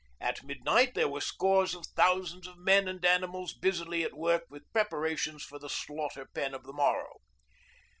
At midnight there were scores of thousands of men and animals busily at work with preparations for the slaughter pen of the morrow.